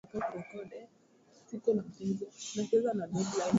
rahani mwako wewe